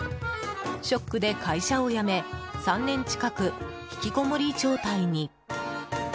ショックで会社を辞め３年近く、ひきこもり状態に。